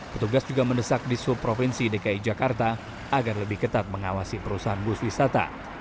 petugas juga mendesak di subrovinsi dki jakarta agar lebih ketat mengawasi perusahaan bus wisata